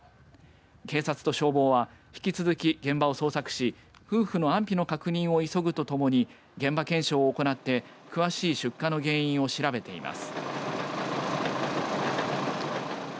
警察と消防は引き続き現場を捜索し夫婦の安否の確認を急ぐとともに現場検証を行って詳しい出火の原因を調べています。